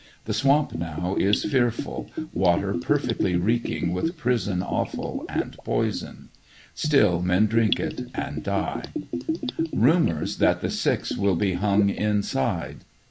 The swamp now is fear ful, water perfectly reeking with prison offal and poison. Still men drink it and die. Rumors that the six will be hung inside.